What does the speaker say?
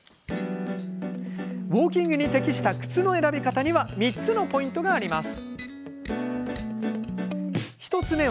ウォーキングに適した靴の選び方には３つのポイントがあります。